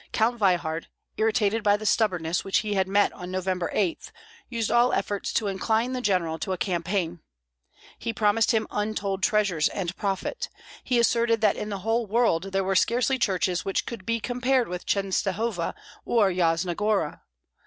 Count Veyhard, irritated by the stubbornness which he had met on November 8, used all efforts to incline the general to a campaign; he promised him untold treasures and profit, he asserted that in the whole world there were scarcely churches which could be compared with Chenstohova or Yasna Gora.